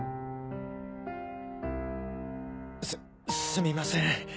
すすみません。